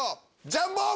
ジャンボ！